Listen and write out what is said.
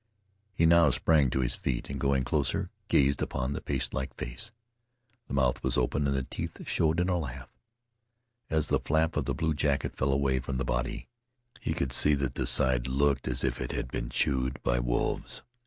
He now sprang to his feet and, going closer, gazed upon the pastelike face. The mouth was open and the teeth showed in a laugh. As the flap of the blue jacket fell away from the body, he could see that the side looked as if it had been chewed by wolves.